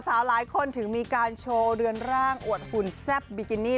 หลายคนถึงมีการโชว์เรือนร่างอวดหุ่นแซ่บบิกินี่